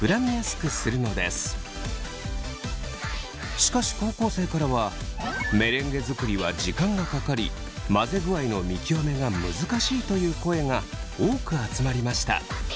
しかし高校生からはメレンゲ作りは時間がかかり混ぜ具合の見極めが難しいという声が多く集まりました。